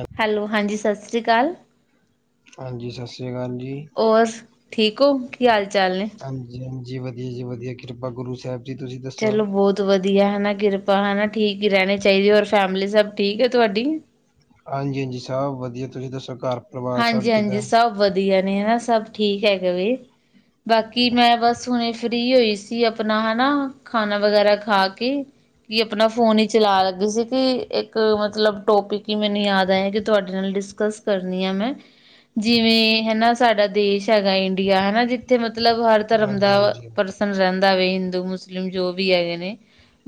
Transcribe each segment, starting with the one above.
ਅੱ hello, ਹਾਂਜੀ, ਸਤਿ ਸ਼੍ਰੀ ਅਕਾਲ। ਹਾਂਜੀ, ਸਤਿ ਸ੍ਰੀ ਅਕਾਲ ਜੀ। ਹੋਰ, ਠੀਕ ਹੋ, ਕੀ ਹਾਲ ਚਾਲ ਨੇ? ਹਾਂਜੀ ਹਾਂਜੀ ਵਧੀਆ, ਜੀ ਵਧੀਆ, ਕਿਰਪਾ ਗੁਰੂ ਸਾਹਿਬ। ਜੀ ਤੁਸੀਂ ਦੱਸੋ ਚਲੋ ਬਹੁਤ ਵਧੀਆ ਹਨਾ, ਕਿਰਪਾ ਹਨਾ, ਠੀਕ ਹੀ ਰਹਿਣੀ ਚਾਹੀਦੀ। ਹੋਰ ਫੈਮਿਲੀ ਸਭ ਠੀਕ ਹੈ ਤੁਹਾਡੀ? ਹਾਂਜੀ, ਹਾਂਜੀ ਸਭ ਵਧੀਆ, ਤੁਸੀਂ ਦੱਸੋ ਘਰ। ਪਰਿਵਾਰ ਸਭ ਹਾਂਜੀ, ਕਿੱਦਾਂ ਹਾਂਜੀ ਸਭ ਵਧੀਆ ਨੇ ਹਨਾ, ਸਭ ਠੀਕ ਹੈਗਾ ਵੀ। ਬਾਕੀ ਮੈਂ ਬਸ ਹੁਣੇ ਫਰੀ ਹੋਈ ਸੀ। ਆਪਣਾ ਹਨਾ ਖਾਣਾ ਵਗੈਰਾ ਖਾ ਕੇ ਕੀ ਆਪਣਾ ਫੋਨ ਹੀ ਚਲਾ ਲੱਗੀ ਸੀ। ਕਿ ਇੱਕ ਮਤਲਬ। ਮਤਲਬ ਟੋਪਿਕ ਹੀ ਮੈਨੂੰ ਯਾਦ ਆਇਆ। ਕਿ ਤੁਹਾਡੇ ਨਾਲ ਡਿਸਕਸ ਕਰਨੀ ਆ ਮੈਂ। ਜਿਵੇਂ ਹਨਾ ਸਾਡਾ ਦੇਸ਼ ਹੈਗਾ ਇੰਡੀਆ ਹਨਾ, ਜਿੱਥੇ ਮਤਲਬ ਹਰ ਧਰਮ ਹਾਂਜੀ ਦਾ ਹਾਂਜੀ ਪਰ। ਰਹਿੰਦਾ ਹੋਵੇ ਹਿੰਦੂ ਮੁਸਲਿਮ ਜੋ ਵੀ ਹੈਗੇ ਨੇ।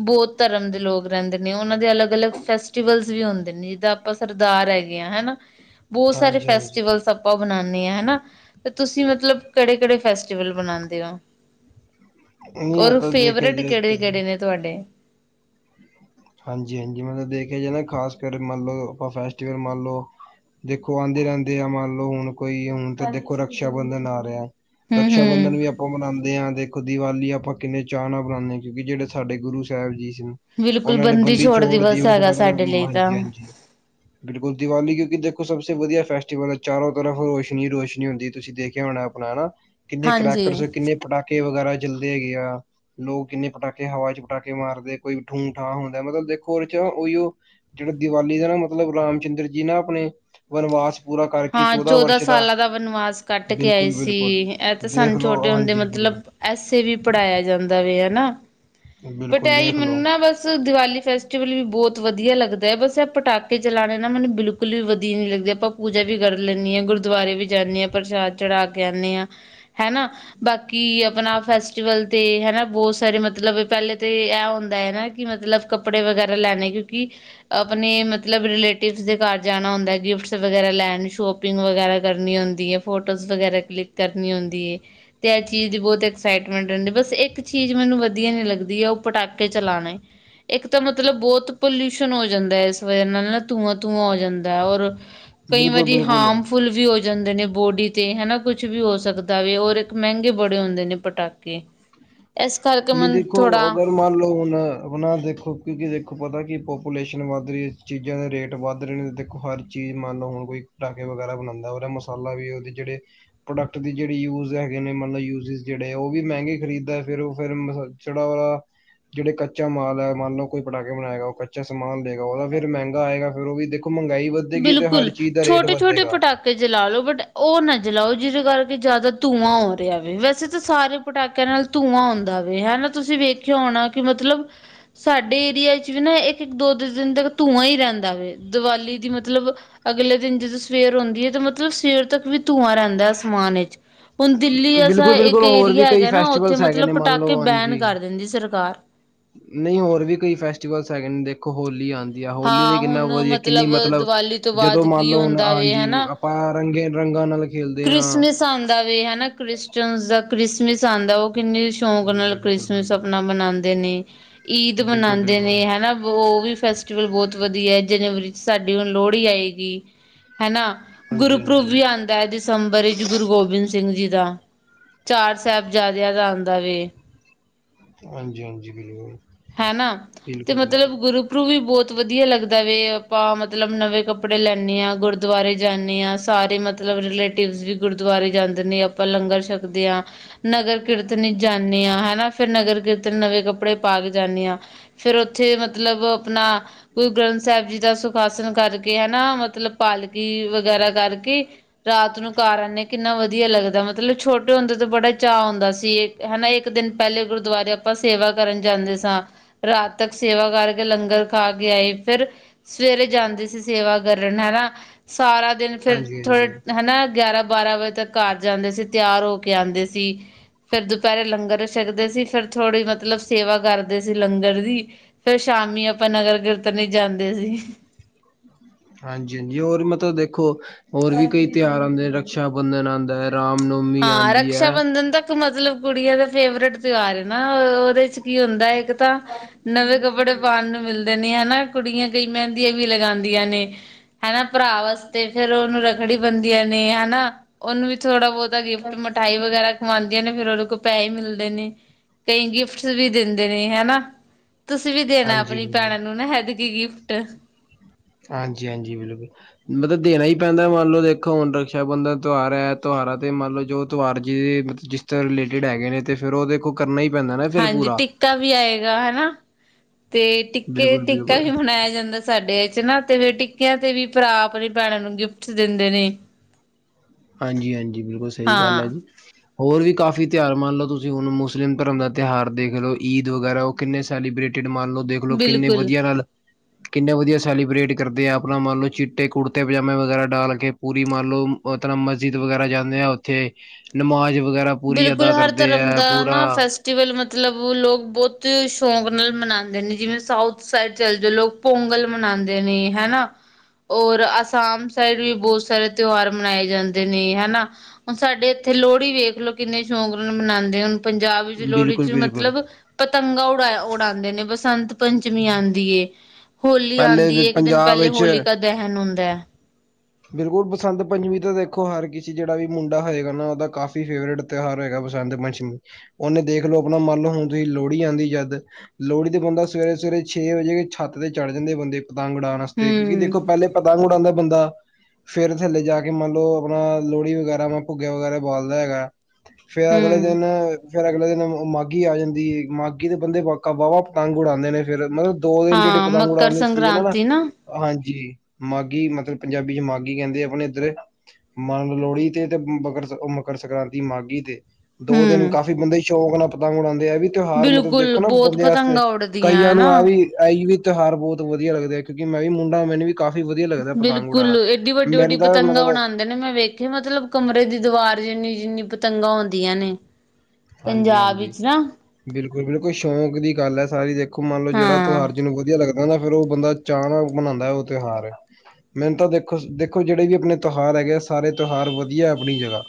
ਬਹੁਤ ਧਰਮ ਦੇ ਲੋਕ ਰਹਿੰਦੇ ਨੇ। ਉਹਨਾਂ ਦੇ ਅਲੱਗ ਅਲੱਗ ਫੈਸਟੀਵਲ ਵੀ ਹੁੰਦੇ ਨੇ ਜਿੱਦਾਂ ਆਪਾਂ ਸਰਦਾਰ ਹੈਗੇ ਆ ਹਨਾ। ਬਹੁਤ ਸਾਰੇ ਹਾਂਜੀ ਹਾਂਜੀ ਫੈਸਟੀਵਲ ਆਪਾ ਬਨਾਦੇ ਆ ਹਨਾ, ਤੇ ਤੁਸੀਂ ਮਤਲਬ ਕਿਹੜੇ -ਕਿਹੜੇ ਫੈਸਟੀਵਲ ਬਨਾਦੇ ਹੋ? ਨਹੀਂ ਔਰ ਮਤਲਬ ਦੇਖਿਆ ਫੇਵਰੇਟ ਜਾਏ ਕਿਹੜੇ ਤੇ ਕਿਹੜੇ ਨੇ ਤੁਹਾਡੇ? ਹਾਂਜੀ, ਹਾਂਜੀ ਮਤਲਬ ਦੇਖਿਆ ਜਾਵੇ ਨਾ ਖ਼ਾਸ ਕਰ ਮੰਨ ਲਓ, ਆਪਾਂ ਫੈਸਟੀਵਲ ਮੰਨ ਲਓ। ਦੇਖੋ ਆਉਂਦੇ ਰਹਿੰਦੇ ਆ। ਮੰਨ ਲਓ ਹੁਣ ਕੋਈ ਹੁਣ ਤਾਂ ਦੇਖੋ ਰਕਸ਼ਾ ਬੰਧਨ ਆ ਰਿਹਾ। ਰਕਸ਼ਾ ਬੰਧਨ ਹੂੰ-ਹੂੰ। ਵੀ ਆਪਾਂ ਮਨਾਉਦੇ। ਦੇ ਆ, ਦੇਖੋ ਦੀਵਾਲੀ ਆਪਾ ਕਿੰਨੇ ਚਾਅ ਨਾਲ ਬਣਾਉਂਦੇ ਹਾਂ। ਕਿਉਂਕਿ ਜਿਹੜੇ ਸਾਡੇ ਗੁਰੂ ਸਾਹਿਬ ਜੀ ਸੀ। ਉਹਨਾਂ ਨੇ ਬੰਦੀ ਛੋੜ ਦਿਵਸ ਮਤਲਬ ਹਾਂਜੀ, ਹਾਂਜੀ ਹ ਬਿਲਕੁਲ ਦੀਵਾਲੀ ਕਿਉਂਕਿ ਦੇਖੋ ਸਭ ਸੇ ਵਧੀਆ ਫੈਸਟੀਵਲ ਹੈ। ਚਾਰੋਂ ਤਰਫ ਰੋਸ਼ਨੀ ਹੀ ਰੋਸ਼ਨੀ ਹੁੰਦੀ ਤੁਸੀਂ ਦੇਖਿਆ ਹੋਣਾ। ਨਾ ਨਾ ਕਿੰਨੇ ਹਾਂਜੀ। ਕਰੈਕਰ, ਕਿੰਨੇ ਪਟਾਕੇ? ਪਾਕੇ ਵਗੈਰਾ ਚਲਦੇ ਹੈਗੇ, ਆ ਲੋਕ ਕਿੰਨੇ ਪਟਾਕੇ ਹਵਾ ਚ ਪਟਾਕੇ ਮਾਰਦੇ ਕੋਈ ਠੂ ਠਾਂ ਹੁੰਦਾ ਮਤਲਬ, ਦੇਖੋ ਉਹਦੇ ਚ ਉਹੀਓ। ਜਿਹੜਾ ਦੀਵਾਲੀ ਦਾ ਨਾ ਮਤਲਬ ਰਾਮ ਚੰਦਰ ਜੀ ਨਾ ਆਪਣੇ ਵਨਵਾਸ ਪੂਰਾ ਕਰਕੇ ਹਾਂ ਚੌਦਾਂ ਵਰਸ਼ ਸਾਲਾਂ ਦਾ ਵਨਵਾਸ ਕੱਟ ਕੇ ਆਏ ਬਿਲਕੁਲ ਸੀ। ਬਿਲਕੁਲ ਇਹ ਤਾਂ ਦੇਖ ਸਾਨੂੰ ਛੋਟੇ ਲਓ ਹੁੰਦੇ ਹਾਂਜੀ ਬਿਲਕੁਲ ਮਤਲਬ ਐਸੇ ਵੀ ਪੜ੍ਹਾਇਆ ਜਾਂਦਾ ਵ ਹੈ ਨਾ, ਵੱਟ ਬਿਲਕੁਲ ਇਹ ਹੀ ਦੇਖ ਲਓ ਮੈਨੂੰ ਨਾ ਬਸ ਬਸ ਦੀਵਾਲੀ ਫੈਸਟੀਵਲ ਵੀ ਬਹੁਤ ਵਧੀਆ ਲੱਗਦਾ ਹੈ। ਬਸ ਪਟਾਕੇ ਚਲਾਉਣੇ ਨਾ ਮੈਨੂੰ ਬਿਲਕੁਲ ਵੀ ਵਧੀਆ, ਨੀ ਲੱਗਦੇ ਆਪਾਂ ਪੂਜਾ ਵੀ ਕਰ ਲੈਂਦੀ ਹਾਂ, ਗੁਰਦੁਆਰੇ ਵੀ ਜਾਂਦੀ ਹਾਂ। ਪ੍ਰਸ਼ਾਦ ਚੜਾ ਕੇ ਆਉਂਦੇ ਹਾਂ ਹਨਾ। ਬਾਕੀ ਕਿ ਆਪਣਾ ਫੈਸਟੀਵਲ ਤੇ ਹੈਨਾ ਬਹੁਤ ਸਾਰੇ ਮਤਲਬ ਪਹਿਲੇ ਤਾਂ ਇਹ ਹੁੰਦਾ ਹੈਨਾ। ਕਿ ਮਤਲਬ ਕੱਪੜੇ ਵਗੈਰਾ ਲੈਣੇ। ਕਿਉਕਿ ਆਪਣੇ ਮਤਲਬ ਰਲੇਟਿਵ ਦੇ ਘਰ ਜਾਣਾ ਹੁੰਦਾ ਹੈ। ਗਿਫਟ ਵਗੈਰਾ ਲੈਣ, ਸ਼ੋਪਿੰਗ ਵਗੈਰਾ ਕਰਨੀ ਹੁੰਦੀ ਹੈ, ਫੋਟੋਜ਼ ਵਗੈਰਾ ਕਲਿੱਕ ਕਰਨੀ ਹੁੰਦੀ ਹੈ। ਤੇ ਇਹ ਚੀਜ਼ ਦੀ ਬਹੁਤ ਐਕਸਾਈਟਮੈਂਟ ਰਹਿੰਦੀ। ਬਸ ਇੱਕ ਚੀਜ਼ ਮੈਨੂੰ ਵਧੀਆ ਨੀ ਲੱਗਦੀ ਹੈ, ਉਹ ਪਟਾਕੇ ਚਲਾਉਣੇ। ਇੱਕ ਤਾਂ ਮਤਲਬ ਬਹੁਤ ਪੋਲਿਊਸ਼ਨ ਹੋ ਜਾਂਦਾ ਹੈ। ਇਸ ਵਜ੍ਹਾ ਨਾਲ ਨਾ ਧੂੰਆਂ ਧੂੰਆਂ ਹੋ ਜਾਂਦਾ ਹੈ। ਔਰ ਕਈ ਬਿਲਕੁਲ ਵਾਰੀ ਬਿਲਕੁਲ ਹਾਰਮਫੁਲ ਵੀ ਹੋ। ਜਾਂਦੇ ਨੇ ਬੋਡੀ ਤੇ ਹਨਾ, ਕੁਛ ਵੀ ਹੋ ਸਕਦਾ ਵ ਔਰ ਇੱਕ ਮਹਿੰਗੇ ਬੜੇ ਹੁੰਦੇ ਨੇ ਪਟਾਕੇ। [inaudible] ਨਹੀਂ ਮੈਨੂੰ ਦੇਖੋ ਥੋੜਾ ਅਗਰ ਮੰਨ ਲੋੋ ਹੁਨ ਆਪਣਾ ਦੇ। ਦੇਖੋ ਕਿਉਂਕਿ ਦੇਖੋ ਪਤਾ ਕਿ ਪਾਪੂਲੇਸ਼ਨ ਵੱਧ ਰਹੀ ਹੈ, ਚੀਜ਼ਾਂ ਦੇ ਰੇਟ ਵੱਧ ਰਹੇ ਨੇ। ਦੇਖੋ ਹਰ ਚੀਜ਼ ਮੰਨ ਲਓ ਹੁਣ ਕੋਈ। ਪਟਾਕੇ ਵਗੈਰਾ ਬਣਾਉਂਦਾ, ਉਹਦਾ ਮਸਾਲਾ ਵੀ ਉਹਦੇ ਜਿਹੜੇ। ਪ੍ਰੋਡਕਟ ਦੀ ਜਿਹੜੀ ਯੂਜ ਹੈਗੇ ਨੇ ਮਤਲਬ ਯੂਜ ਜਿਹੜੇ ਉਹ ਵੀ ਮਹਿੰਗੇ ਖਰੀਦਦਾ ਹੈ ਫੇਿਰ ਉਹ ਫੇਿਰ ਮ ਚੜਾ ਵਾਲਾ ਜਿਹੜੇ ਕੱਚਾ ਮਾਲ ਹੈ ਮੰਨ ਲਓ ਕੋਈ ਪਟਾਕੇ ਬਣਾਏਗਾ ਉਹ ਕੱਚਾ ਸਮਾਨ ਲਏਗਾ ਉਹ ਫਿਰ ਮਹਿੰਗਾ ਆਏਗਾ ਫਿਰ ਉਹ ਵੀ ਦੇਖੋ ਮਹਿੰਗਾਈ ਵੱਧੇਗੀ ਤੇ ਹਰ ਚੀਜ਼ ਦਾ ਰੇਟ ਵੱਧੇਗਾ ਕੇ ਜਲਾ ਲਓ ਬਟ ਉਹ ਨਾ ਜਲਾਓ ਜਿਹਦੇ ਕਰਕੇ ਜ਼ਿਆਦਾ ਧੂੰਆਂ ਹੋ ਰਿਹਾ ਵ ਵੈਸੇ ਤਾਂ ਸਾਰੇ ਪਟਾਕਿਆਂ ਨਾਲ ਧੂੰਆਂ ਆਉਂਦਾ ਵਵੇ ਹਨਾ ਤੁਸੀਂ ਵੇਖਿਆ ਹੋਣਾ ਕਿ ਮਤਲਬ ਸਾਡੇ ਏਰੀਆ ਚ ਵੀ ਨਾ ਇੱਕ ਇੱਕ ਦੋੋ ਦਿਨ ਤੱਕ ਧੂੰਆਂ ਹੀ ਰਹਿੰਦਾ ਵ ਦੀਵਾਲੀ ਦੀ ਮਤਲਬ ਮਤਲਬ ਅਗਲੇ ਦਿਨ ਜਦੋਂ ਸਵੇਰ ਹੁੰਦੀ ਹੈ ਤਾਂ ਮਤਲਬ ਸਵੇਰ ਤੱਕ ਵੀ ਧੂੰਆਂ ਰਹਿੰਦਾ ਅਸਮਾਨ ਵਿੱਚ ਹੁਣ ਦਿੱਲੀ ਐਸਾ ਬਿਲਕੁਲ ਬਿਲਕੁਲ ਇੱਕ ਹੋਰ ਏਰੀਆ ਵੀ ਕਈ ਹੈਗਾ ਨਾ ਉੱਥੇ ਫੈਸਟੀਵਲਸ ਹੈਗੇ ਮਤਲਬ ਨੇ ਮੰਨ ਪਟਾਕੇ ਲਓ ਬੈਨ ਹਾਂਜੀ ਕਰ ਦਿੰਦੀ ਸਰਕਾਰ ਨਹੀਂ ਹੋਰ ਵੀ ਕੋਈ ਫੈਸਟੀਵਲਜ਼ ਹੈਗੇ ਨੇ ਦੇਖੋ ਹੋਲੀ ਆਉਂਦੀ ਯ ਹੋਲੀ ਦੀ ਹਾਂ ਕਿੰਨਾ ਹੁਣ ਵਧੀਆ ਕਿੰਨੀ ਮਤਲਬ ਦੀਵਾਲੀ ਤੋਂ ਜਦੋਂ ਬਾਅਦ ਮੰਨ ਕੀ ਲਓ ਹੁਣ ਹੁੰਦਾ ਵੇ ਹਾਂਜੀ ਹਨਾ ਆਪਾਂ ਰੰਗੀਨ ਰੰਗਾ ਨਾਲ ਖੇਲਦੇ ਹਾਂ ਕ੍ਰਿਸਮਿਸ ਆਉਂਦਾ ਵੀ ਹਨਾ ਕ੍ਰਿਸਚਨ ਦਾ ਕ੍ਰਿਸਮਿਸ ਆਉਂਦਾ ਉਹ ਕਿੰਨੀ ਸ਼ੌਕ ਨਾਲ ਬਿਲਕੁਲ ਕ੍ਰਿਸਮਸ ਬਿਲਕੁਲ ਆਪਣਾ ਮਨਾਉਂਦੇ ਨੇ ਈਦ ਬਿਲਕੁਲ ਮਨਾਉਂਦੇ ਨੇ ਬਿਲਕੁਲ ਹਨਾ ਉਹ ਵੀ ਫੈਸਟੀਵਲ ਬਹੁਤ ਵਧੀਆ ਹੈ ਜਨਵਰੀ ਸਾਡੀ ਹੁਣ ਲੋਹੜੀ ਆਏਗੀ ਹਨਾ ਹਾਂਜੀ ਗੁਰਪੁਰਬ ਹਾਂਜੀ ਵੀ ਆਉਂ ਦਸੰਬਰ ਵਿੱਚ ਗੁਰੂ ਗੋਬਿੰਦ ਸਿੰਘ ਜੀ ਦਾ ਚਾਰ ਸਾਹਿਬਜ਼ਾਦਿਆਂ ਦਾ ਆਉਂਦਾ ਵੇ ਹਾਂਜੀ ਹਾਂਜੀ ਬਿਲਕੁਲ ਹਨਾ ਤੇ ਬਿਲਕੁਲ ਮਤਲਬ ਬਿਲਕੁਲ ਗੁਰੂ ਉੱਪਰੋਂ ਵੀ ਬਹੁਤ ਵਧੀਆ ਲੱਗਦਾ ਵ ਆਪਾਂ ਮਤਲਬ ਨਵੇਂ ਕੱਪੜੇ ਲੈਂਦੇ ਹਾਂ ਗੁਰਦੁਆਰੇ ਜਾਂਦੇ ਹਾਂ ਸਾਰੇ ਮਤਲਬ ਮਤਲਬ ਰਲੇਟਿਵ ਵੀ ਗੁਰੂਦੁਆਰੇ ਜਾਂਦੇ ਨੇ ਆਪਾਂ ਲੰਗਰ ਛਕਦੇ ਹ ਨਗਰ ਕੀਰਤਨ ਹੀ ਜਾਂਦੇ ਹਾਂ ਹਨਾ ਫਿਰ ਨਗਰ ਕੀਰਤਨ ਨਵੇਂ ਕੱਪੜੇ ਪਾ ਕੇ ਫੇਿਰ ਉੱਥੇ ਮਤਲਬ ਆਪਣਾ ਗੁਰੂ ਗ੍ਰੰਥ ਸਾਹਿਬ ਜੀ ਦਾ ਸੁਖਾਸਨ ਕਰਕੇ ਹਨਾ ਮਤਲਬ ਪਾਲਕੀ ਵਗੈਰਾ ਕਰਕੇ ਰਾਤ ਨੂੰ ਕਾਰ ਆਉਂਦੇਾਂ ਕਿੰਨਾ ਵਧੀਆ ਲੱਗਦਾ ਮਤਲਬ ਛੋਟੇ ਹੁੰਦੇ ਤੇ ਬੜਾ ਚਾਅ ਹੁੰਦਾ ਸੀ ਹਨਾ ਇੱਕ ਦਿਨ ਪਹਿਲੇ ਗੁਰਦੁਆਰੇ ਆਪਾਂ ਸੇਵਾ ਕਰਨ ਜਾਂਦੇ ਸੀ ਰਾਤ ਤੱਕ ਸੇਵਾ ਕਰਕੇ ਲੰਗਰ ਖਾ ਕੇ ਆਈ ਫਿਰ ਸਵੇਰੇ ਜਾਂਦੇ ਸੀ ਸੇਵਾ ਕਰਨ ਹਨਾ ਸਾਰਾ ਦਿਨ ਫਿਰ ਹਾਂਜੀ ਹਾਂਜੀ ਥੋੜੇ ਹਨਾ ਗਿਆਰਾਂ ਬਾਰਾਂ ਵਜੇ ਤੱਕ ਘਰ ਜਾਂਦੇ ਸੀ ਤਿਆਰ ਹੋ ਕੇ ਆਉਂਦੇ ਸੀ ਫੇਿਰ ਦੁਪਹਿਰੇ ਲੰਗਰ ਛਕਦੇ ਸੀ ਫਿਰ ਥੋੜ੍ਹੀ ਮਤਲਬ ਸੇਵਾ ਕਰ ਦੇ ਸੀ ਲੰਗਰ ਦੀ ਫੇਰ ਸ਼ਾਮੀ ਆਪਾਂ ਨਗਰ ਕੀਰਤਨ ਜਾਂਦੇ ਸੀ ਹਾਂਜੀ ਹਾਂਜੀ ਹੋਰ ਮਤਲਬ ਦੇਖੋ ਹੋਰ ਵੀ ਕਈ ਤਿਉਹਾਰ ਆਉਂਦੇ ਰਕਸ਼ਾ ਬੰਧਨ ਆਉਂਦਾ ਹੈ ਰਾਮਨੌਮੀ ਹਾਂ ਆਉਂਦੀ ਰਕਸ਼ਾ ਹੈ ਬੰਧਨ ਤੱਕ ਮਤਲਬ ਕੁੜੀਆਂ ਦਾ ਫੇਵਰੇਟ ਤਿਉਹਾਰ ਹੈ ਨਾ ਉਹਦੇ ਚ ਕੀ ਹੁੰਦਾ ਇੱਕ ਤਾਂ ਨਵੇਂ ਕੱਪੜੇ ਪਾਉਣ ਨੂੰ ਮਿਲਦੇ ਨੇ ਹਨਾ ਕੁੜੀਆਂ ਕਈ ਮਹਿੰਦੀ ਵੀ ਲਗਾਉਂਦੀਆਂ ਨੇ ਹਨਾ ਭਰਾ ਵਾਸਤੇ ਫੇਰ ਉਹਨੂੰ ਰੱਖੜੀ ਬਣਦੀਆਂ ਨੇ ਹਨਾ ਉਹਨੂੰ ਵੀ ਥੋੜਾ ਬਹੁਤ ਦਾ ਗਿਫਟ ਮਿਠਾਈ ਵਗੈਰਾ ਕਮਾਉਂਦੀਆਂ ਨੇ ਫੇਿਰ ਉਹਦੇ ਕੋਲ ਪੈਸੇ ਮਿਲਦੇ ਨੇ ਕਈ ਗਿਫਟਸ ਵੀ ਦਿੰਦੇ ਨੇ ਹਨਾ ਤੁਸੀਂ ਵੀ ਦੇਣਾ ਹਾਂਜੀ ਆਪਣੀ ਹਾਂਜੀ ਭੈਣਾਂ ਨੂੰ ਨਾ ਹੈਦਗੀ ਗਿਫਟ ਹਾਂਜੀ ਹਾਂਜੀ ਬਿਲਕੁਲ ਮਤਲਬ ਦੇਣਾ ਹੀ ਪੈਂਦਾ ਮੰਨ ਲਓ ਦੇਖੋ ਹੁਣ ਰਕਸ਼ਾ ਬੰਧਨ ਤਿਉਹਾਰ ਹੈ ਤੁਹਾਰਾ ਤੇ ਮੰਨ ਲਓ ਜੋ ਤਹਾਰ ਜੀ ਜਿਸ ਤਰ੍ਹਾਂ ਰਿਲੇਟਿਡ ਹੈਗੇ ਨੇ ਤੇ ਫੇਿਰ ਉਹ ਦੇਖੋ ਕਰਨਾ ਹੀ ਪੈਂਦਾ ਨਾ ਫਿਰ ਹਾਂਜੀ ਪੂਰਾ ਟਿੱਕਾ ਵੀ ਆਏਗਾ ਹਨਾ ਤੇ ਟਿੱਕੇ ਟਿੱਕਾ ਬਿਲਕੁਲ-ਬਿਲਕੁਲ, ਵੀ ਮਨਾਇਆ ਜਾਂਦਾ ਸਾਡੇ ਵਿੱਚ ਨਾ ਤੇ ਫਿਰ ਟਿੱਕਿਆਂ ਤੇ ਵੀ ਭਰਾ ਆਪਣੀ ਭੈਣਾਂ ਨੂੰ ਗਿਫਟ ਦਿੰਦੇ ਨੇ ਹਾਂਜੀ- ਹਾਂਜੀ ਬਿਲਕੁਲ ਸ ਈ ਗੱਲ ਐ ਹਾਂ ਜੀ। ਹੋਰ ਵੀ ਕਾਫ਼ੀ ਤਿਆਰ ਮੰਨ ਲੋ ਤੁਸੀਂ ਹੁਣ ਮੁਸਲਿਮ ਧਰਮ ਦਾ ਤਿਹਾਰ ਦੇਖ ਲਓ, ਈਦ ਵਗੈਰਾ ਕਿੰਨੇ ਸੈਲੀਬ੍ਰੇਟਿਡ ਮੰਨ ਲੋ ਦੇਖ ਲੋ ਕਿੰਨੇ ਬਿਲਕੁਲ। ਵਧੀਆ ਨਾਲ ਕਿੰਨਾ ਵਧੀਆ ਸੈਲੀਬਰੇੇਟ ਕਰਦੇ ਆ, ਅਪਨਾ ਮੰਨ ਲੋ ਚਿੱਟੇ ਕੁੜਤੇ ਪਜਾਮੇ ਵਗੈਰਾ ਡਾਲ ਕੇ ਪੂਰੀ ਮਨ ਲੋ ਆਪ [unintelligible] ਮਸਜਿਦ ਵਗੈਰਾ ਜਾਂਦੇ ਆ ਔਥੇ ਨਮਾਜ਼ ਵਗੈਰਾ ਪੂਰੀ ਬਿਲਕੁਲ ਅਦਾ ਹਰ ਕਰਦੇ ਧਰਮ ਹੈ ਦਾ ਪੂਰਾ ਨਾ, ਫੈਸ ਟੀਵਲ ਮਤਲ ਬ ਲੋਕ ਬੋਤ ਸ਼ੌਂਕ ਨਾਲ ਮਨਾਂਦੇ ਨੇ ਜਿਵੇਂ ਸਾਊਥ ਸਾਈਡ ਚੱਲ ਜੋ ਲੋਕ ਪੋਂਗਲ ਮਨਾਦੇ ਨੇ ਹਨਾ। ਔਰ ਅਸਾਮ ਸਾਈਡ ਵੀ ਬਹੁਤ ਸਾਰੇ ਤੇਔਹਾਰ ਮਨਾਏ ਜਾਂਦੇ ਨੇ ਹੈਨਾ। ਹੁਣ ਸਾਡੇ ਏਥੇ ਲੋੜੀ ਵੇਖ ਲੋ ਕਿੰਨੇ ਸ਼ੌਂਕ ਨਾਲ ਮਨਾਦੇ, ਹੁਣ ਪੰਜਾਬ ਵਿੱਚ ਲੋਹੜੀ ਬਿਲਕੁਲ ਚ ਬਿਲਕੁਲ ਮਤਲਬ, ਪਤੰਗਾਂ ਉੜਾ-ਉੜਾਦੇ ਨੇ, ਬਸੰਤ ਪੰਚਮੀ ਆਦੀ ਏ, ਹੋਲੀ ਪਹਿਲੇ ਆਦੀ ਵੀ ਏ, ਇੱਕ ਦਿਨ ਪੰਜਾਬ ਪੈਲੇ ਵਿੱਚ ਹੋਲਿਕਾ ਦੈਹੈਨ ਹੁੰਦੈ। ਬਿਲਕੁਲ ਬਸੰਤ ਪੰਜਮੀ ਤੇ ਦੇਖੋ, ਹਰ ਕਿਸੇ ਜੇੜਾ ਵੀ ਮੁੰਡਾ ਹੋਏਗਾ ਨਾ, ਔਦਾ ਕਾਫ਼ੀ ਫੇਵਰਟ ਤੇ ਔਹਾਰ ਹੈਗਾ ਬਸੰਤ ਪੰਚਮੀ, ਔਨੇ ਦੇਖ ਲੌ ਅਪਣਾ ਮੰਨ ਲੌ ਹੁਣ ਜੀ ਲੋੜੀ ਆਂਦੀ ਜਦ, ਲੋੜੀ ਤੇ ਬੰਦਾ ਸਵੇਰੇ-ਸਵੇਰੇ ਛੇ ਵਜੇ ਛੱਤ ਤੇ ਚੜ੍ਹ ਜਾਂਦੇ ਬੰਦੇ, ਪਤੰਗ ਉੜਾਨ ਆ ਸਤੇ, ਕਿਉਂਕਿ ਹਮ ਦੇਖੋ ਪੈਲੇ ਪਤੰਗ ਉੜਾਂਦਾ ਬੰਦਾ, ਫੇਰ ਥੱਲੇ ਜਾ ਕੇ ਮੰਨ ਲੌ, ਅਪਣਾ ਲੋੜੀ ਵਗੈਰਾ, ਭੁੱਗਿਆ ਵਗੈਰਾ ਖੁ ਆਲਦਾ ਹੈਗਾ। ਫੇਰ ਅਗਲੇ ਹਮ ਦਿਨ ਫੇਰ, ਗਲੇ ਦਿਨ ਮਾਘੀ ਆ ਜਾਂਦੀ ਈ। ਮਾਘੀ ਦੇ ਬੰਦੇ ਵਕ ਵਾਵਾ ਪਤੰਗ ਉੜਾਂਦੇ ਨੇ ਫਿਰ ਮੋ ਦੋ ਦਿਨ ਜੇੜੇ ਹਾਂ ਪਤੰਗ ਮਕਰ ਉੜਾਦੇ ਸੀ ਜਨ ਨਵਾਂ ਸੰਕ੍ਰਾਂਤੀ ਨਾ ਹਾਂਜੀ, ਮਾਘੀ ਮਤਲਬ, ਪੰਜਾਬੀ ਚ ਮਾਘੀ ਕੈਂਦੇ ਅਪਣੇ ਏਧਰੇ, ਮਨ ਲੋੜੀ ਤੇ, ਤੇ ਮਕਰ ਔ ਮਕਰ ਸੰਕ੍ਰਾਂਤੀ ਮਾਘੀ ਤੇ ਦੋ ਦਿਨ ਹਮ ਕਾਫੀ ਬੰਦੇ ਸ਼ੌਂਕ ਨਾ, ਪਤੰਗ ਉੜਾਦੇਂ, ਐ ਵੀ ਤਔਹਾਰ ਮਤਲਬ ਬਿਲਕੁਲ ਦੇਖੋ ਨਾ ਬਹੁਤ ਬੰਦੇ ਆਸਤੇ ਪਤੰਗਾਂ ਉੱਡਦੀਆਂ ਹੈ ਕਈਆਂ ਨੂੰ ਆ ਨਾ। ਵੀ ਐ ਵੀ ਤ ਔਹਾਰ ਬੋਤ ਵਧੀਆ ਲੱਗਦੇ, ਕਿਉਂਕਿ ਮੈਂ ਵੀ ਮੁੰਡਾ ਮੈਨੂੰ ਵੀ ਕਾਫ਼ੀ ਵਧੀਆ ਲੱਗਦਾ। ਪਤੰਗ ਬਿਲਕੁਲ ਉਡਾਉਣਾ ਐਡੀ ਵੱਡੀ-ਵੱਡੀ ਮੈਨੂੰ ਤਾਂ ਪਤੰਗਾਂ ਮਤਲਬ ਉਡਾਣ ਕੈਂਦੇ ਨੇ ਮੈਂ ਵੇਖ, ਮਤਲਬ ਕਮਰੇ ਦੀ ਦੀਵਾਰ ਜਿੰਨੀ-ਜਿੰਨੀ ਪਤੰਗਾਂ ਹੋਂਦੀਆਂ ਨੇ, ਪੰਜਾਬ ਵਿੱਚ ਨਾ, ਬਿਲਕੁਲ-ਬਿਲਕੁਲ ਸ਼ੌਂਕ ਦੀ ਗੱਲ ਐ ਸਾਰੀ, ਦੇਖੋ ਮੰਨ ਲਓ ਜਿਹੜਾ ਹਾਂ ਤੋਹਾਰ ਜਿਨੂੰ ਵਧੀਆ ਲੱਗ, ਕੈਂਦਾ ਫਿਰ ਔ ਬੰਦਾ ਚਾਹ ਨਾਲ ਮਨੋਂਦਾ ਔ ਤੇ ਔਹਾਰ, ਮੈਨੂੰ ਤਾਂ ਦੇਖੋ, ਦੇਖੋ ਜੇੜੇ ਵੀ ਅਪਣੇ ਤੋਹਾਰ ਹੈਗੇ ਆ ਸ ਸਾਰੇ ਤਿਉਹਾਰ ਵਧੀਆ ਆਪਣੀ ਜਗ੍ਹਾ,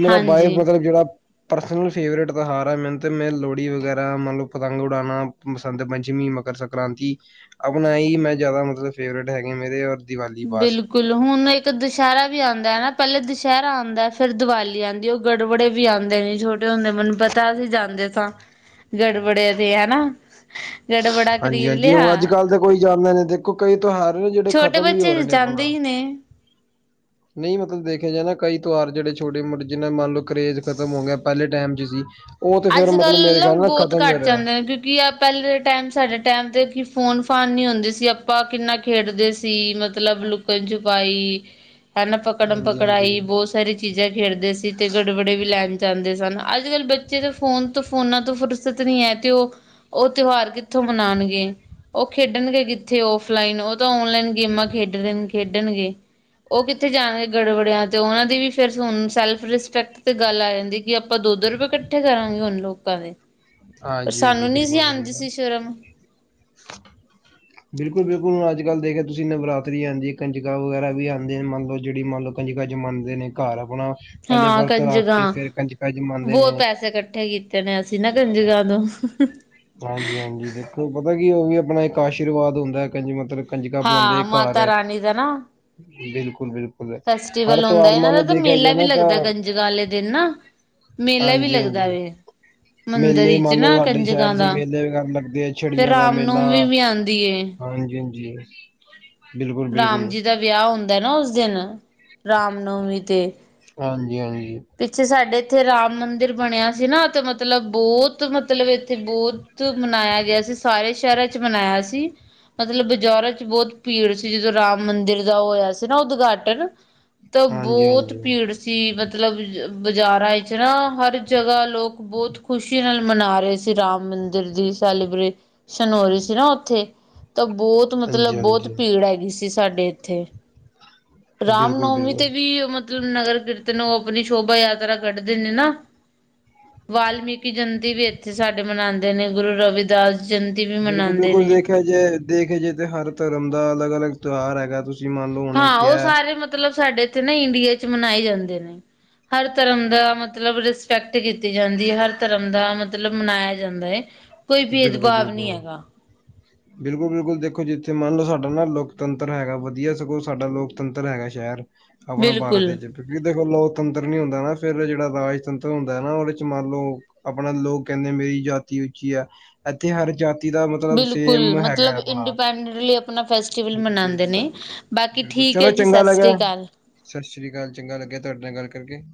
ਮੇਰਾ ਬਾਈ ਹਾਂਜੀ ਮਤਲਬ ਜੇੜਾ ਪਰਸਨ ਫੇਵਰਟ ਤੌਹਾਰ ਐ, ਮੈਨੂੰ ਤੇ ਮੈਂ ਲੋੜੀ ਵਗੈਰਾ ਮਨਲੋ, ਪਤੰਗ ਉੜਾਨਾ, ਬਸੰਤ ਪੰਚਮੀ, ਮਕਰ ਸੰਕ੍ਰਾਂਤੀ ਖ, ਅਪਨਾ ਐ, ਮੈਂ ਜ਼ਿਆਦਾ ਮਤਲਬ ਫੇਵਰਟ ਹੈਗੇ, ਮੇਰੇ ਔਰ ਦੀਵਾਲੀ ਬਸ, ਫਿਲ ਹੁਣ ਇੱਕ ਦਿਸ਼ੈਰਾ ਵੀ ਆਦਾ ਹੈ, ਪੈਲੇ ਦਿਸ਼ੈਰਾ ਆਦਾ, ਫਿਰ ਦੀਵਾਲੀ ਆਂਦੀ ਔ ਗ ਗੜਵੜੇ ਵੀ ਆਂਦੇ, ਨੇ ਛੋਟੇ ਹੋਂਦੇ ਮੈਨੂੰ ਪਤਾ ਸੀ ਜਾਂਦੇ ਤਾਂ ਗੜਵੜੇ ਤੇ ਹੈਨਾ। ਗੜਵੜਾ ਹਾਂਜੀ ਖਰੀਦ ਹਾਂਜੀ ਲਿਆ? ਹੁਣ ਅੱਜ ਕੱਲ੍ਹ ਤਾਂ ਕੋਈ ਜਾਂਦਾ ਨੀ, ਦੇਖੋ ਕਈ ਤੌਹਾਰ ਨੇ ਜੇੜੇ ਛੋਟੇ ਖਤਮ ਵੀ ਹੋ ਬੱਚੇ ਰੇ ਨੇ ਜਾਂਦੇ ਅਪਨਾ। ਹੀ ਨੇ ਨਹੀਂ ਮਤਲਬ ਦੇਖਆ ਜਾਏ ਨਾ, ਕਈ ਤੋਹਾਰ ਜੇੜੇ ਛੋਟੇ -ਮੋਟੇ ਜਿਨਾ ਮੰਨ ਲੋ ਕਰੇਜ ਖਤਮ ਹੋ ਗਯਾ, ਪੈਲੇ ਟਾਈਮ ਚ ਸੀ। ਉਹ ਤੇ ਫਿਰ ਮਤਲਬ ਮੇਰੇ ਅੱਜ-ਕੱਲ ਖਿਆਲ ਨਾਲ ਬੋਤ ਖਤਮ ਹੋ ਘੱਟ ਰਿਹਾ ਜਾਂਦੇ ਨੇ। ਕਯੋਂ ਕਿ ਪੈਲੇ ਟਾਈਮ, ਸਾਡੇ ਟਾਈਮ ਤੇ ਕਿ ਫੋਨ ਫਾਨ ਨੀ ਹੋਂਦੇ ਸੀ। ਅਪਾ ਕਿੰਨਾ ਖੇਡਦੇ ਸੀ ਮਤਲਬ, ਫੇਰ ਜੋਗਾ ਈ, ਹੈਨਾ ਹਾਂਜੀ ਪੱਕੜਮ-ਪੱਕੜਾਈ ਹਾਂਜੀ ਬੋਸ, ਸਾਰੀ ਚੀਜ਼ਾਂ ਖੇਡਦੇ ਸੀ, ਤੇ ਗੜਵੜੇ ਵੀ ਲੈਣ ਜਾਂਦੇ ਸਨ। ਅੱਜ ਕੱਲ੍ਹ ਬੱ ਜਿਦੋਂ ਫੋਨ ਤੋਂ ਫੋਨਾਂ ਤੋਂ ਫ਼ੁਰਸਤ ਨੀ ਹੈ, ਤੇ ਔ, ਔ ਤੁਹਾਰ ਕਿੱਥੋਂ ਮਨਾਨਗੇਂ, ਔ ਖੇਡਣਗੇ ਕਿੱਥੇ ਔ ਫਲਾਈਨ ਉਹ ਤਾਂ ਔਨਲਾਈਨ ਗੇਮਾਂ ਖੇਡ ਰੇ ਨ ਖੇਡਣਗੇ, ਉਹ ਕਿੱਥੇ ਜਾਣਗੇ ਗੜਬੜਿਆਂ ਤੇ, ਉਹਨਾਂ ਦੀ ਵੀ ਫਿਰ ਹੁਣ ਸੈਲਫ ਰਿਸਪੈਕਟ, ਤੇ ਗੱਲ ਆ ਜਾਂਦੀ। ਕਿ ਆਪਾਂ ਦੋ ਦੋ ਰੁਪਏ ਇਕੱਠੇ ਕਰਾਂਗੇ ਹੁਣ ਲੋਕਾਂ ਦੇ, ਪਰ ਹਾਂਜੀ ਹਾਂਜੀ ਸਾਨੂੰ ਨੀ ਸੀ ਬਿਲਕੁਲ ਆਉਂਦੀ ਸਹੀ ਗੱਲ ਸੀ ਸ਼ਰਮ, ਬਿਲਕੁਲ-ਬਿਲਕੁਲ ਹੁਣ ਅੱਜ-ਕੱਲ ਦੇਖਿਆ ਤੁਸੀਂ ਨਵਰਾਤਰੀ ਆਉਂਦੀ ਹੈ, ਕੰਜਕਾ ਵਗੈਰਾ ਵੀ ਆਉਂਦੇ ਮੰਨ ਲਓ ਜਿਹੜੀ ਮੰਨ ਲਓ, ਕੰਜਕਾ ਚ ਮੰਨਦੇ ਨੇ ਘਰ ਆਪਣਾ ਪਹਿਲੇ ਹਾਂ ਵਰਤ ਰੱਖ ਕੇ ਕੰਜਕਾਂ ਫਿਰ ਕੰਜਕਾ ਚ ਮੰਨਦੇ ਬਹੁਤ ਨੇ, ਪੈਸੇ ਇਕੱਠੇ ਕੀਤੇ ਨੇ ਅਸੀਂ ਨਾ ਕੰਜਕਾਂ ਤੋਂ, ਹਾਂਜੀ-ਹਾਂਜੀ! ਦੇਖੋ ਪਤਾ ਕੀ ਉਹ ਵੀ ਆਪਣਾ ਇੱਕ ਆਸ਼ੀਰਵਾਦ ਹੁੰਦਾ ਹੈ, ਕਹਿੰਦੇ ਮਤਲਬ, ਕੰਜਕਾਂ ਬੁਲਾਂਦੇ ਹਾਂ! ਮਾਤਾ ਘਰ ਰਾਣੀ ਦਾ ਨਾ ਬਿਲਕੁਲ-ਬਿਲਕੁਲ ਹਰ ਫੈਸਟੀਵਲ ਹੁੰਦਾ, ਤਿਉਹਾਰ ਇਹਨਾਂ ਮੰਨ ਦਾ ਲਓ ਤਾਂ ਦੇਖਿਆ ਮੇਲਾ ਜਾਏ ਵੀ ਨਾ ਤਾਂ ਲੱਗਦਾ ਕੰਜਕਾਂ ਵਾਲੇ ਦਿਨ ਨਾ ਮੇਲਾ ਵੀ ਲੱਗਦਾ ਹਾਂਜੀ-ਹਾਂਜੀ ਵੇ ਮੰਦਿਰ ਮੇਲੇ ਵਿੱਚ ਮੰਨ ਲਓ ਨਾ ਸਾਡੇ ਸ਼ਹਿਰ ਕੰਜਕਾਂ ਚ ਦਾ ਮੇਲੇ ਵੀ ਕਰਨ ਲੱਗਦੇ ਆ ਫਿਰ ਛੜੀਆਂ ਦਾ ਰਾਮ ਮੇਲਾ ਨੌਮੀ ਵੀ ਆਉਂਦੀ ਏ ਹਾਂਜੀ ਹਾਂਜੀ ਰਾਮ ਜੀ ਦਾ ਵਿਆਹ ਹੁੰਦਾ ਨਾ ਉਸ ਦਿਨ ਰਾਮ ਨੌਮੀ ਤੇ ਹਾਂਜੀ ਹਾਂਜੀ ਪਿੱਛੇ ਸਾਡੇ ਇੱਥੇ ਰਾਮ ਮੰਦਿਰ ਬਣਿਆ ਸੀ ਨਾ ਤੇ ਮਤਲਬ ਬਹੁਤ ਮਤਲਬ ਇੱਥੇ ਬਹੁਤ ਮਨਾਇਆ ਗਿਆ ਸੀ ਸਾਰੇ ਸ਼ਹਿਰਾਂ ਚ ਮਨਾਇਆ ਸੀ ਮਤਲਬ ਬਜ਼ਾਰਾਂ ਚ ਬਹੁਤ ਭੀੜ ਸੀ, ਜਦੋਂ ਰਾਮ ਮੰਦਿਰ ਦਾ ਹੋਇਆ ਸੀ ਨਾ ਉਦਘਾਟਨ ਤਾਂ ਬਹੁਤ ਹਾਂਜੀ-ਹਾਂਜੀ, ਭੀੜ ਸੀ ਮਤਲਬ ਬਾਜ਼ਾਰਾਂ ਇਚ ਨਾ ਹਰ ਜਗ੍ਹਾਹ ਲੋਕ ਬਹੁਤ ਖ਼ੁਸ਼ੀ ਨਾਲ ਮਨਾ ਰਹੇ ਸੀ ਰਾਮ ਮੰਦਿਰ ਦੀ ਸੈਲੀਬ੍ਰੇ ਸਨੋਰੀ ਸੀ ਨਾ ਉੱਥੇ ਤਾਂ ਬਹੁਤ ਮਤਲਬ ਬਹੁਤ ਹਾਂਜੀ-ਹਾਂਜੀ। ਭੀੜ ਹੈਗੀ ਸੀ ਸਾਡੇ ਇੱਥੇ ਰਾਮ ਬਿਲਕੁਲ ਨੌਮੀ ਤੇ ਬਿਲਕੁਲ ਵੀ ਮਤਲ ਨਗਰ ਕੀਰਤਨ ਉਹ ਆਪਣੀ ਸ਼ੋਭਾ ਯਾਤਰਾ ਕੱਢਦੇ ਨੇ ਨਾ, ਵਾਲਮੀਕ ਜਯੰਤੀ ਵੀ ਇੱਥੇ ਸਾਡੇ ਮਨਾਉਂਦੇ ਨੇ ਗੁਰੂ ਰਵਿਦਾਸ ਜਯੰਤੀ ਵੀ ਬਿਲਕੁਲ ਮਨਾਉਂਦੇ ਬਿਲਕੁਲ ਨੇ ਦੇਖਿਆ ਜੇ ਦੇਖੇ ਜਾਏ ਤੇ ਹਰ ਧਰਮ ਦਾ ਅਲੱਗ ਅਲੱਗ ਤਿਉਹਾਰ ਹੈਗਾ ਤੁਸੀਂ ਮੰਨ ਲਓ ਹੁਣੇ ਹਾਂ ਉਹ ਕਿਹਾ ਸਾਰੇ ਮਤਲਬ ਸਾਡੇ ਇੱਥੇ ਨਾ ਇੰਡੀਆ ਚ ਮਨਾਏ ਜਾਂਦੇ ਨੇ ਹਰ ਧਰਮ ਦਾ ਮਤ ਮਤਲਬ ਰਿਸਪੈਕਟ ਕੀਤੀ ਜਾਂਦੀ ਹੈ ਹਰ ਧਰਮ ਦਾ ਮਤਲਬ ਮਨਾਇਆ ਜਾਂਦਾ ਹੈ ਕੋਈ ਬਿਲਕੁਲ ਭੇਦਭਾਵ ਨਹੀਂ ਬਿਲਕੁਲ ਹੈਗਾ ਬਿਲਕੁਲ ਬਿਲਕੁਲ ਦੇਖੋ ਜਿੱਥੇ ਮੰਨ ਲਓ ਸਾਡਾ ਨਾ ਲੋਕਤੰਤਰ ਹੈਗਾ ਵਧੀਆ ਸਗੋਂ ਸਾਡਾ ਲੋਕਤੰਤਰ ਹੈਗਾ ਸ਼ਹਿਰ ਆਪਣੇ ਭਾਰਤ ਬਿਲਕੁਲ। ਵਿੱਚ ਕਿਉਂਕਿ ਦੇਖੋ ਲੋਕਤੰਤਰ ਨੀ ਹੁੰਦਾ ਨਾ ਫੇਿਰ ਜਿਹੜਾ ਰਾਜਤੰਤਰ ਹੁੰਦਾ ਹੈ ਨਾ ਉਹਦੇ ਚ ਮੰਨ ਲਓ ਆਪਣਾ ਲੋਕ ਕਹਿੰਦੇ ਮੇਰੀ ਜਾਤੀ ਉੱਚੀ ਹੈ, ਇੱਥੇ ਹਰ ਜਾਤੀ ਜਾਤਿ ਦਾ ਮਤਲਬ ਬਿਲਕੁਲ ਸੇਮ ਹੈਗਾ ਮਤਲਬ ਆਪਣਾ ਇੰਡੀਪੈਂਡੈਂਟਲੀ ਆਪਣਾ ਫੈਸਟੀਵਲ ਮਨਾਉਂਦੇ ਨੇ। ਬਾਕੀ ਬਿਲਕੁਲ ਠੀਕ ਹੈ ਚਲੋ ਜੀ ਚੰਗਾ ਸਤਿ ਲੱਗਿਆ ਸ੍ਰੀ ਅਕਾਲ। ਸਤਿ ਸ੍ਰੀ ਅਕਾਲ ਚੰਗਾ ਲੱਗਿਆ ਤੁਹਾਡੇ ਨਾਲ ਗੱਲ ਕਰਕੇ